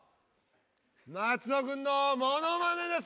松尾君のモノマネです。